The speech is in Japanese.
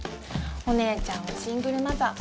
お姉ちゃんはシングルマザー